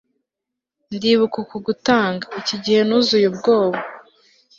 ndibuka uku gutanga, iki gihe nuzuye ubwoba